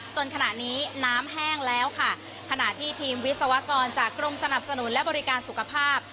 จนขณะนี้น้ำแห้งแล้วค่ะขณะที่ทีมวิศวกรจากกรมสนับสนุนและบริการสุขภาพ